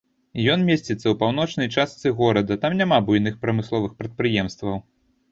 Ён месціцца ў паўночнай частцы горада, там няма буйных прамысловых прадпрыемстваў.